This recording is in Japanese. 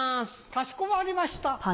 かしこまりました。